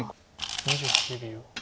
２８秒。